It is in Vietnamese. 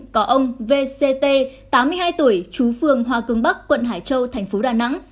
có ông vct tám mươi hai tuổi trú phường hoa cương bắc quận hải châu thành phố đà nẵng